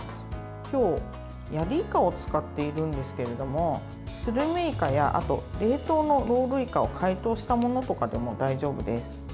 今日はやりいかを使っているんですけどもするめいかやあと冷凍のロールいかを解凍したものとかでも大丈夫です。